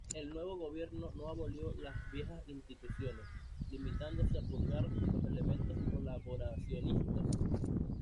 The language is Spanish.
El nuevo gobierno no abolió las viejas instituciones, limitándose a purgar los elementos colaboracionistas.